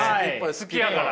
好きやから？